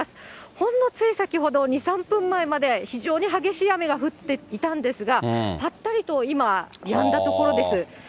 ほんのつい先ほど、２、３分前まで非常に激しい雨が降っていたんですが、ぱったりと今、やんだところです。